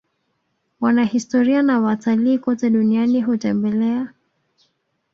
wanahistoria na watalii kote duniani hutembelea